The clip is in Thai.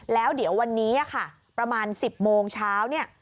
แล้วเดี๋ยววันนี้ค่ะประมาณ๑๐โมงเช้าเนี่ย